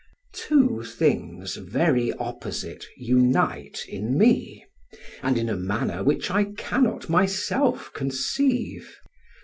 Two things very opposite, unite in me, and in a manner which I cannot myself conceive.